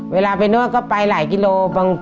เวลาไปนวดก็ไปหลายกิโล